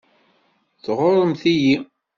Tɣuṛṛemt-iyi.